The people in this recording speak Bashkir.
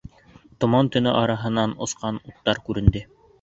Томан-төтөн араһынан осҡан уттар күренде.